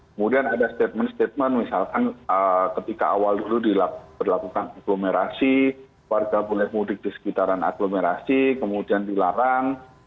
kemudian ada statement statement misalkan ketika awal dulu diberlakukan agglomerasi warga boleh mudik di sekitaran aglomerasi kemudian dilarang